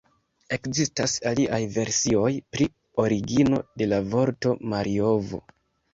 Ekzistas aliaj versioj pri origino de la vorto Marjovo.